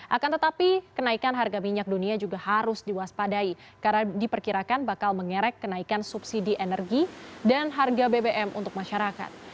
akan tetapi kenaikan harga minyak dunia juga harus diwaspadai karena diperkirakan bakal mengerek kenaikan subsidi energi dan harga bbm untuk masyarakat